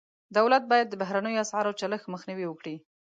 دولت باید د بهرنیو اسعارو چلښت مخنیوی وکړي.